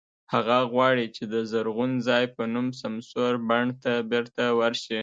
هغه غواړي چې د "زرغون ځای" په نوم سمسور بڼ ته بېرته ورشي.